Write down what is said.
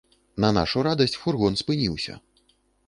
На нашу радасць, фургон спыніўся.